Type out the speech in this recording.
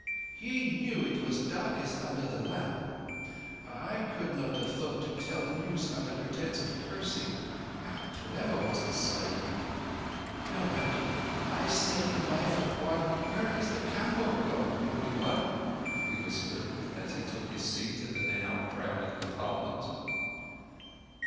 He knew it was darkest under the lamp. I could not have thought to tell news under pretence of cursing ... and how clever was the Sahib! No matter, I saved the life of one ... Where is the Kamboh gone, Holy One?" he whispered, as he took his seat in the now crowded compartment.